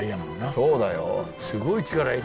そうだよ。